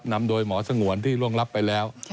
นำโดยหมอสงวนที่ร่วงรับไปแล้ว